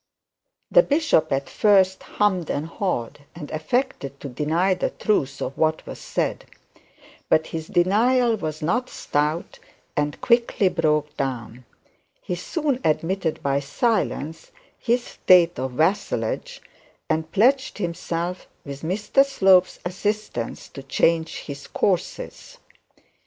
The bishop at first hummed and hawed, and affected to deny the truth of what was said. But his denial was by silence and quickly broke down. He soon admitted by silence his state of vassalage, and pledged himself with Mr Slope's assistance, to change his courses.